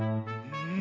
うん！